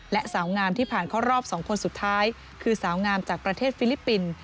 และสาวงามที่ผ่านเข้ารอบ๒คนสุดท้ายคือสาวงามจากประเทศฟิลิปปินส์